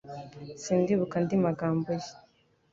Sinkibuka andi magambo ye